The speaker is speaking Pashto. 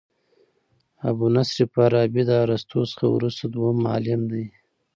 ابو نصر فارابي د ارسطو څخه وروسته دوهم معلم دئ.